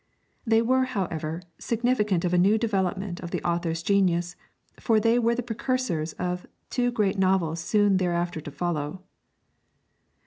They were, however, significant of a new development of the author's genius, for they were the precursors of two great novels soon thereafter to follow.